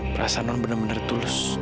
perasaan non bener bener tulus